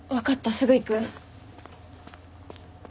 すぐ行く。